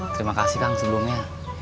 terima kasih kang sebelumnya